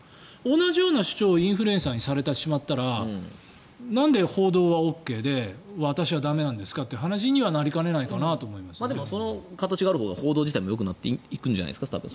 同じような主張をインフルエンサーにされてしまったらなんで報道はＯＫで私は駄目なんですかという話にはその形があるほうが報道自体もよくなっていくんじゃないですか。